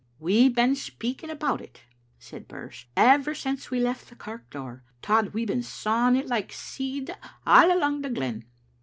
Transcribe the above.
"We've been speaking about it," said Birse, "ever since we left the kirk door. Tod, we've been sawing it like seed a' alang the glen."